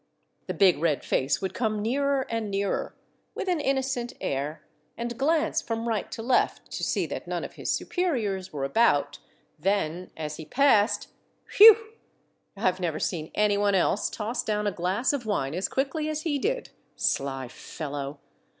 The big red face would come nearer and nearer, with an innocent air, and glance from right to left to see that none of his superiors were about, then, as he passed — whew! I've never seen any one else toss down a glass of wine as quickly as he did ! Sly fellow